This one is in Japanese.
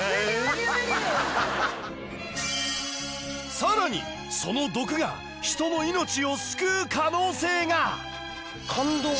更にその毒が人の命を救う可能性が！